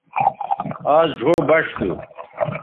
آز ڙھو بݜ تھو